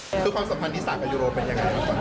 คือความสัมพันธ์ที่สาหกับยูโรนเป็นยังไง